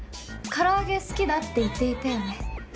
唐揚げ好きだって言っていたよね？